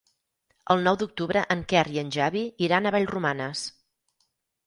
El nou d'octubre en Quer i en Xavi iran a Vallromanes.